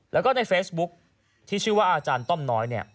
แล้วก็ในเฟซบุ๊คที่ชื่อว่าอาจารย์ต้อมน้อยเนี่ย